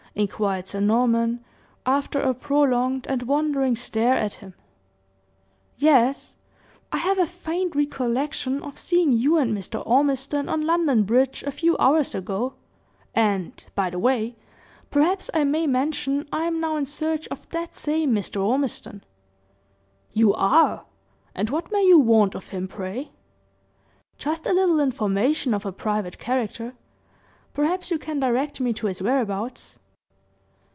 inquired Sir Norman, after a prolonged and wondering stare at him. "Yes; I have a faint recollection of seeing you and Mr. Ormiston on London Bridge, a few hours ago, and, by the way, perhaps I may mention I am now in search of that same Mr. Ormiston." "You are! And what may you want of him, pray?" "Just a little information of a private character perhaps you can direct me to his whereabouts."